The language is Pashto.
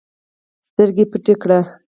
سترګې پټې کړې